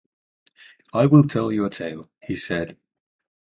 “I will tell you a tale,” he said.